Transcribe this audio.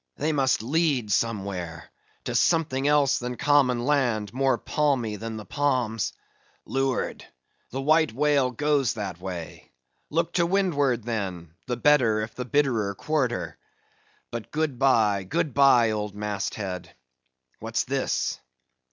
They must lead somewhere—to something else than common land, more palmy than the palms. Leeward! the white whale goes that way; look to windward, then; the better if the bitterer quarter. But good bye, good bye, old mast head! What's this?